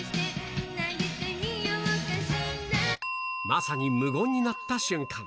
まさに無言になった瞬間。